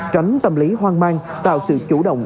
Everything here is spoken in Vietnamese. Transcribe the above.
tránh tâm lý hoang mang tạo sự chủ động